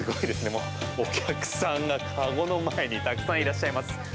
もうお客さんが籠の前にたくさんいらっしゃいます。